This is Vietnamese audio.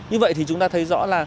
như vậy thì chúng ta thấy rõ là